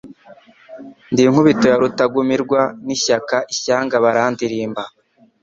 Ndi inkubito ya Rutagumirwa n' ishyaka ishyanga barandirimba